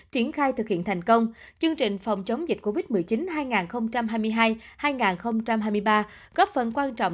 triển khai thực hiện thành công chương trình phòng chống dịch covid một mươi chín hai nghìn hai mươi hai hai nghìn hai mươi ba góp phần quan trọng